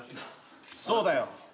そうだよ。